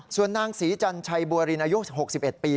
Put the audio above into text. ส่วนนางศรีจันชัยบัวรินอายุ๖๑ปี